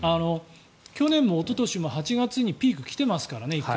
去年もおととしも８月にピークが１回来てますからね。